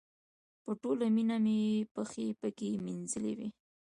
په ټوله مینه مې پښې پکې مینځلې وې.